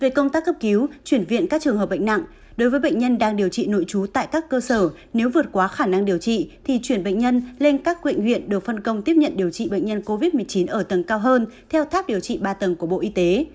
về công tác cấp cứu chuyển viện các trường hợp bệnh nặng đối với bệnh nhân đang điều trị nội trú tại các cơ sở nếu vượt quá khả năng điều trị thì chuyển bệnh nhân lên các quyện huyện được phân công tiếp nhận điều trị bệnh nhân covid một mươi chín ở tầng cao hơn theo tháp điều trị ba tầng của bộ y tế